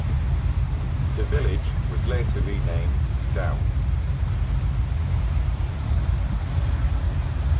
The village was later renamed Downe.